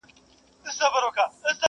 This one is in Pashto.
په یوه شان وه د دواړو معاسونه.